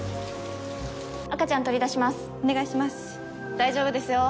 大丈夫ですよ。